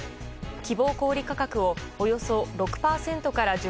希望小売価格をおよそ６％から１０％